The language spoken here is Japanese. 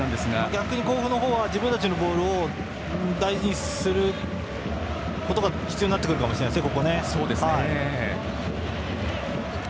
逆に甲府の方は自分たちのボールを大事にすることがここは必要になってくるかもしれませんね。